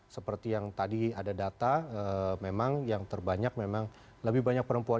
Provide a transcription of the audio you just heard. seperti yang tadi ada data memang yang terbanyak memang lebih banyak perempuan